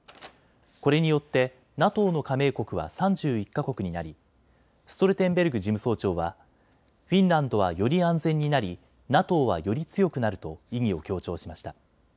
これによってＮＡＴＯの加盟国は３１か国になりストルテンベルグ事務総長はフィンランドは、より安全になりＮＡＴＯはより強くなると意義を強調しました。